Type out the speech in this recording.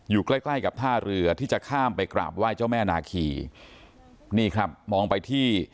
อยู่ใกล้ใกล้กับท่าเรือที่จะข้ามไปกราบไหว้เจ้าแม่นาคีนี่ครับมองไปที่